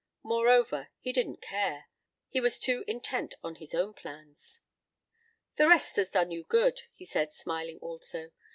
Moreover, he didn't care. He was too intent on his own plans. "The rest has done you good," he said, smiling also.